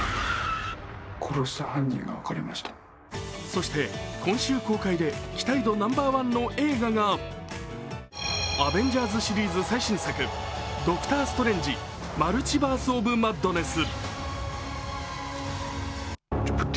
そして、今週公開で期待度ナンバーワンの映画が「アベンジャーズ」シリーズ最新作「ドクター・ストレンジ／マルチバース・オブ・マッドネス」。